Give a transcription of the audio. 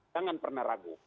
jangan pernah ragu